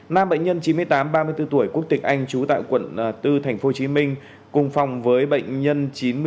nam bệnh nhân chín mươi tám ba mươi bốn tuổi quốc tịch anh trú tại quận bốn tp hcm cùng phòng với bệnh nhân chín mươi bốn